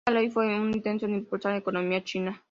Esta ley fue un intento de impulsar la economía china.